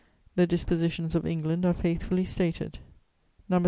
35, the dispositions of England are faithfully stated: No.